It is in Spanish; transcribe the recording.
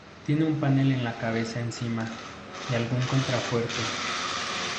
Tiene un panel en la cabeza encima y algún contrafuerte.